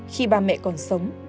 khi ba mẹ còn sống